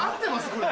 これ。